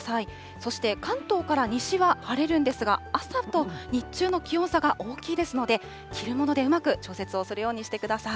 そして関東から西は晴れるんですが、朝と日中の気温差が大きいですので、着るものでうまく調節をするようにしてください。